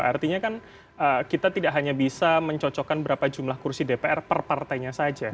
artinya kan kita tidak hanya bisa mencocokkan berapa jumlah kursi dpr per partainya saja